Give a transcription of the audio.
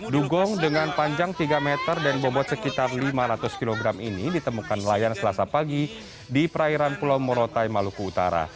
dugong dengan panjang tiga meter dan bobot sekitar lima ratus kg ini ditemukan nelayan selasa pagi di perairan pulau morotai maluku utara